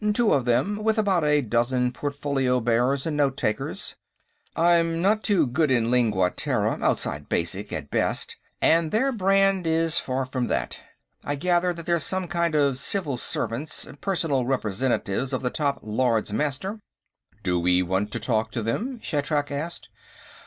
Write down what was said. Two of them, with about a dozen portfolio bearers and note takers. I'm not too good in Lingua Terra, outside Basic, at best, and their brand is far from that. I gather that they're some kind of civil servants, personal representatives of the top Lords Master." "Do we want to talk to them?" Shatrak asked.